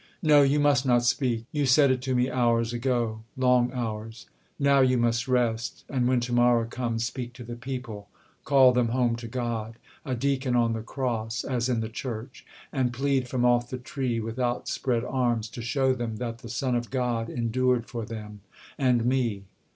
No you must not speak: You said it to me hours ago long hours! Now you must rest, and when to morrow comes Speak to the people, call them home to God, A deacon on the Cross, as in the Church; And plead from off the tree with outspread arms, To show them that the Son of God endured For them and me.